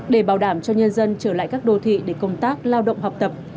để bảo đảm cho nhân dân trở lại các đô thị để công tác lao động học tập